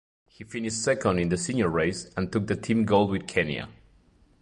He finished second in the senior race and took the team gold with Kenya.